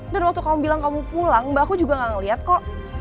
dan waktu kamu bilang kamu pulang mbak aku juga gak ngeliat kok